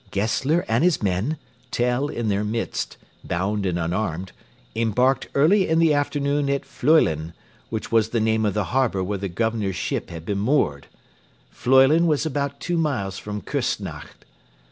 Gessler and his men, Tell in their midst, bound and unarmed, embarked early in the afternoon at Flüelen, which was the name of the harbour where the Governor's ship had been moored. Flüelen was about two miles from Küssnacht.